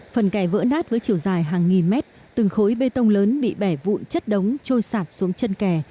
phần kè vỡ nát với chiều dài hàng nghìn mét từng khối bê tông lớn bị bẻ vụn chất đống trôi sạt xuống chân kè